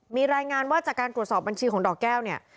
มีรายงานว่าจากการตรวจสอบบัญชีของดอกแก้วเนี่ย